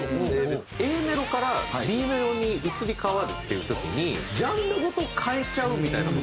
ＡメロからＢメロに移り変わるっていう時にジャンルごと変えちゃうみたいな事。